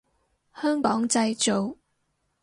香港製造